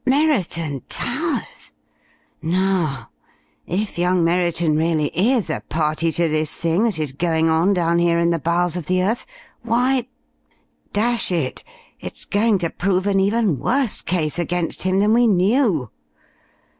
"Merriton Towers! Now, if young Merriton really is a party to this thing that is going on down here in the bowels of the earth, why Dash it, it's going to prove an even worse case against him than we knew!